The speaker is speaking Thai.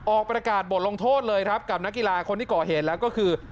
ออกประกาศบทลงโทษเลยครับกับนักกีฬาคนที่ก่อเหตุแล้วก็คือ